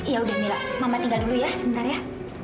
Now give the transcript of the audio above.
ya udah mila mama tinggal dulu ya sebentar ya